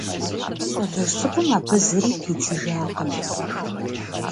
Щӏалэжь цӏыкӏум абы зыри пидзыжакъым.